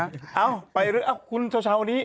อ้าวไปหรืออ้าวคุณเช้าวันนี้